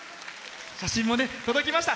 写真も届きました。